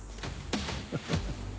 ハハハ。